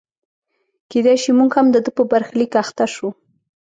کېدای شي موږ هم د ده په برخلیک اخته شو.